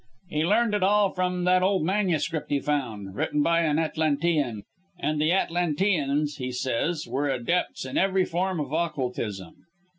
He learned it all from that old MS. he found, written by an Atlantean; and the Atlanteans, he says, were adepts in every form of Occultism.